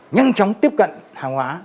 nhanh chóng tiếp cận hàng hóa